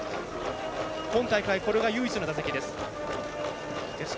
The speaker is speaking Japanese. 今大会、これが唯一の打席です。